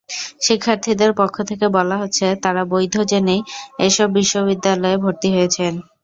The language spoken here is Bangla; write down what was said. শিক্ষার্থীদের পক্ষ থেকে বলা হচ্ছে, তাঁরা বৈধ জেনেই এসব বিশ্ববিদ্যালয়ে ভর্তি হয়েছেন।